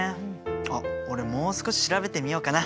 あっ俺もう少し調べてみようかな。